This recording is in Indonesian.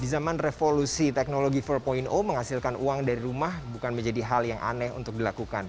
di zaman revolusi teknologi empat menghasilkan uang dari rumah bukan menjadi hal yang aneh untuk dilakukan